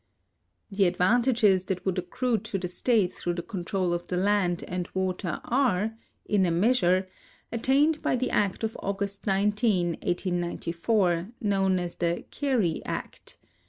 The advantages that would accrue to the state through the control of the land and water are, in a measure, attained by the act of August 19, 1894, known as the Carey Act.